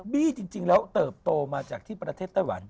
บี้จริงแล้วเติบโตมาจากที่ประเทศไต้หวัน